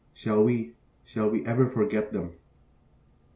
Shall we, shall we ever forget them?